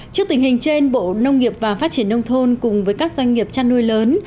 trước tình hình trên bộ nông nghiệp và phát triển nông thôn cùng với các doanh nghiệp chăn nuôi lớn